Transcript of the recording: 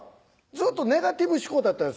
ずっとネガティブ思考だったんです